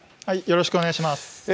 よろしくお願いします。